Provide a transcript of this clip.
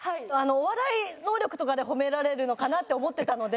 お笑い能力とかで褒められるのかなって思ってたので